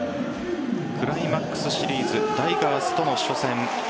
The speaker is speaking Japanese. クライマックスシリーズタイガースとの初戦